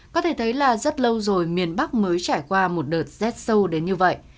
có thể thấy là rất lâu rồi miền bắc mới trải qua một đợt rét sâu đến như vậy